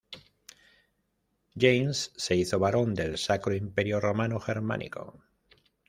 James se hizo barón del Sacro Imperio Romano Germánico.